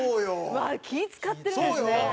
うわー気ぃ使ってるんですね。